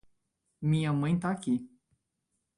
Minha mãe tá aqui